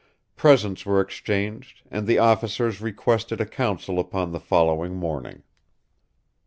Presents were exchanged, and the officers requested a council upon the following morning.